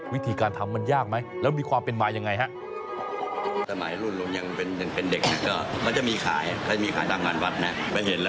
วิธีการทำมันยากไหมแล้วมีความเป็นมายังไงฮะ